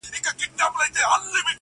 جنگ پر شدياره ښه دئ، نه پر خاوره.